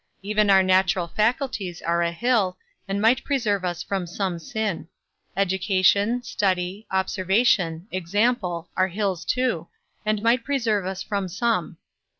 Even our natural faculties are a hill, and might preserve us from some sin. Education, study, observation, example, are hills too, and might preserve us from some.